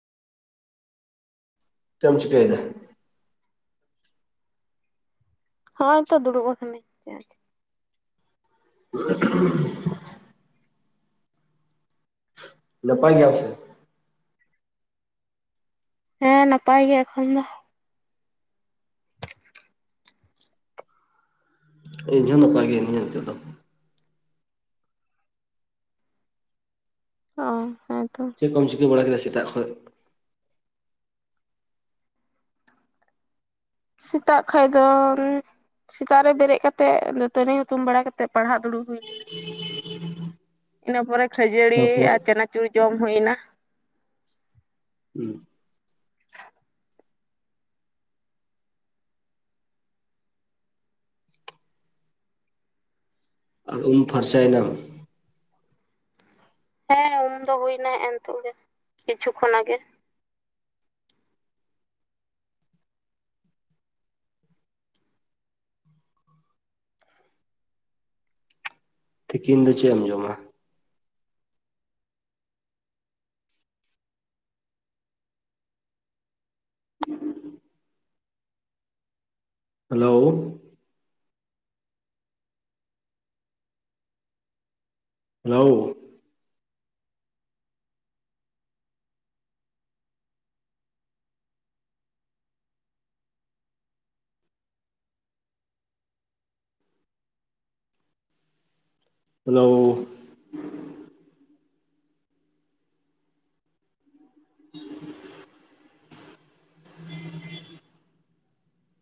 ᱪᱮ-ᱮᱢ ᱪᱤᱠᱟᱹ ᱮᱫᱟ ᱦᱳᱭᱚᱭ ᱛᱚ ᱫᱩᱲᱩᱵ ᱟᱠᱟᱱᱟᱧ ᱪᱮ-ᱮᱢ ᱪᱤᱠᱟᱹᱭᱟ [inaudible] [unintelligible] ᱞᱯᱟᱭ ᱜᱮᱥ ᱦᱮᱸ ᱱᱟᱯᱟᱭ ᱜᱮ ᱮᱠᱷᱚᱱ ᱫᱚ ᱤᱧᱦᱚᱸ ᱱᱟᱯᱟᱭ ᱜᱮ ᱱᱧᱟᱹᱜ ᱱᱤᱛᱚᱜ ᱫᱚ ᱚ ᱦᱮᱸᱛᱚ ᱪᱮᱫ ᱠᱚᱢ ᱪᱤᱠᱟᱹ ᱵᱟᱲᱟ ᱠᱮᱫᱟ ᱥᱮᱛᱟᱜ ᱠᱷᱚᱱ ᱥᱮᱛᱟᱜ ᱠᱷᱟᱡ ᱫᱚ ᱥᱮᱛᱟᱜ ᱨᱮ ᱵᱮᱨᱮᱫ ᱠᱟᱛᱮᱫ ᱫᱟᱹᱛᱟᱹᱱᱤ ᱦᱩᱛᱩᱢ ᱵᱟᱲᱟ ᱠᱟᱛᱮᱮᱫ ᱯᱟᱲᱦᱟᱜ ᱫᱩᱲᱩᱵ ᱦᱩᱭ ᱞᱮᱱᱟ ᱤᱱᱟᱹ ᱯᱚᱨᱮ ᱠᱷᱟᱹᱡᱟᱹᱲᱤ ᱛᱟᱨᱯᱚᱨ ᱟᱨ ᱪᱱᱟᱪᱩᱨᱤ ᱡᱚᱢ ᱦᱩᱭᱱᱟ ᱦᱮᱸ ᱟᱨ ᱩᱢ ᱯᱷᱟᱨᱪᱟᱭᱮᱱᱟᱢ ᱦᱮᱸ ᱩᱢᱫᱚ ᱦᱩᱭᱱᱟ ᱦᱮᱱᱛᱚᱜ ᱜᱮ ᱠᱤᱪᱷᱩ ᱠᱷᱚᱱ ᱟᱜᱮ ᱛᱤᱠᱤᱱ ᱫᱚ ᱪᱮᱫ ᱮᱢ ᱡᱚᱢᱟ ᱦᱮᱞᱳ ᱦᱮᱞᱳ ᱦᱮᱞᱳ